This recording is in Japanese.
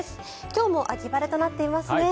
今日も秋晴れとなっていますね。